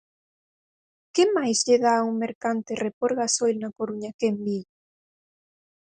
Que máis lle dá a un mercante repor gasoil na Coruña que en Vigo?